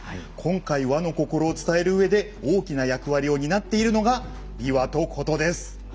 今回、日本の心を伝えるうえで大きな役割を担っているのが琵琶と琴です。